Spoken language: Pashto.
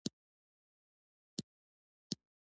افغانستان باید فعاله بهرنۍ تګلاره ولري.